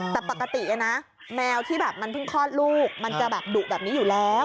แต่ปกตินะแมวที่แบบมันเพิ่งคลอดลูกมันจะแบบดุแบบนี้อยู่แล้ว